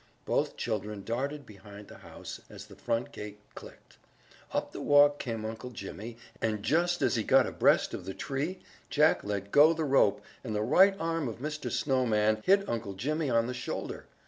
Both children darted behind the house as the front gate clicked. Up the walk came Uncle Jimmy and just as he got abreast of the tree Jack let go the rope and the right arm of Mr. Snowman hit Uncle Jimmy on the shoulder.